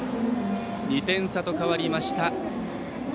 ２点差と変わりました。